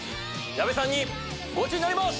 矢部さんにゴチになります！